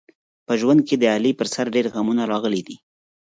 په ژوند کې د علي په سر ډېر غمونه راغلي دي.